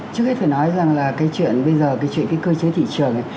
trước hết phải nói rằng là cái chuyện bây giờ cái chuyện cơ chế thị trường này